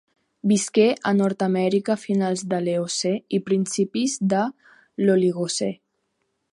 Visqué a Nord-amèrica a finals de l'Eocè i principis de l'Oligocè.